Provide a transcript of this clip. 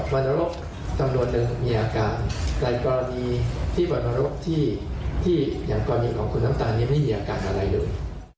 วรรณรกจำนวนหนึ่งมีอาการในกรณีที่วรรณโรคที่อย่างกรณีของคุณน้ำตาลยังไม่มีอาการอะไรเลย